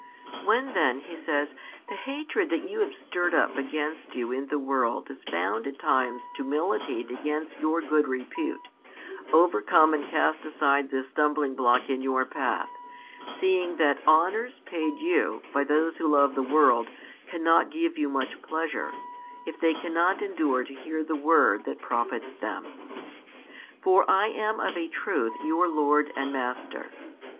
When then, He says, the hatred that you have stirred up against you in the world is found at times to militate against your good repute, overcome and cast aside this stumblingblock in your path, seeing that honours paid you by those who love the world cannot give you much pleasure, if they cannot endure to hear the word that profits them. For I am of a truth your Lord and Master.